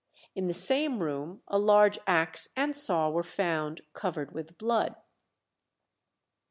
In the same room a large axe and saw were found covered with blood.